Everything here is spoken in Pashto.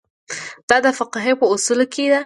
دا د فقهې په اصولو کې ده.